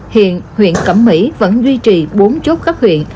hiện huyện cẩm mỹ vẫn duy trì bốn chốt khắp huyện